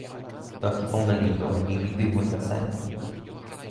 toki pona li jo e nimi pi mute seme?